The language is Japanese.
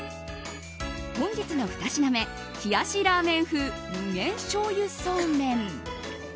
本日の２品目、冷やしラーメン風無限しょうゆそうめん。